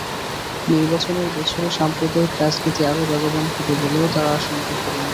নির্বাচনের বছরে সাম্প্রদায়িক রাজনীতি আরও বেগবান হবে বলেও আশঙ্কা করেন তাঁরা।